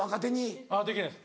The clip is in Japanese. できないです。